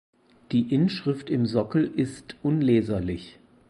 Die Inschrift im Sockel ist unleserlich.